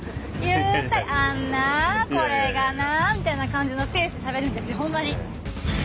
ゆったり「あんなこれがな」みたいな感じのペースでしゃべるんですよほんまに。